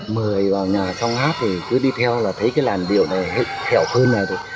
mời vào nhà xong hát thì cứ đi theo là thấy cái làn biểu này hèo phương này